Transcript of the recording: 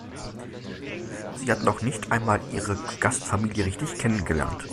Sie hat noch nicht einmal ihre Gastfamilie richtig kennengelernt.